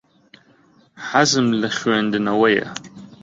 حەزم لە خوێندنەوەیە.